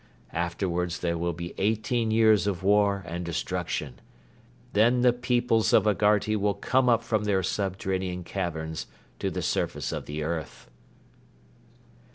Afterwards there will be eighteen years of war and destruction. Then the peoples of Agharti will come up from their subterranean caverns to the surface of the earth.